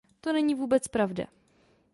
To není vůbec pravda.